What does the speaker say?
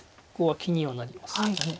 ここは気にはなります。